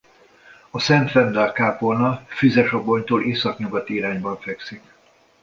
A Szent Vendel-kápolna Füzesabonytól északnyugati irányban fekszik.